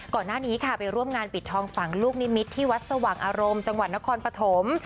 ก่อนหน้านี้ค่ะไปร่วมงานปิดทองฝังลูกนิมิตรที่วัดสว่างอารมณ์จังหวัดนครปฐม